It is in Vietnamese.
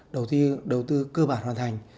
đầu tư cơ bản hoàn thành